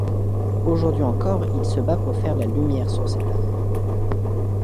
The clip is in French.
Aujourd'hui encore, il se bat pour faire la lumière sur cette affaire.